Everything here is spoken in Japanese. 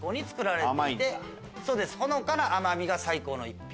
ほのかな甘みが最高の一品。